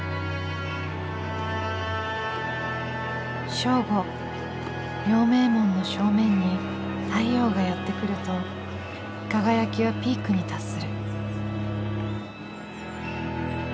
正午陽明門の正面に太陽がやって来ると輝きはピークに達する。